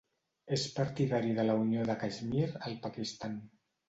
És partidari de la unió de Caixmir al Pakistan.